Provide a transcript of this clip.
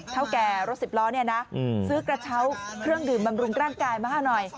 เท่าแก่รถสิบล้อเนี่ยนะซื้อกระเช้าเครื่องดื่มบำรุงร่างกายมาให้หน่อย